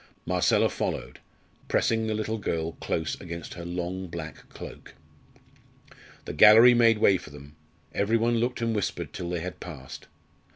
Marcella followed, pressing the little girl close against her long black cloak. The gallery made way for them; every one looked and whispered till they had passed.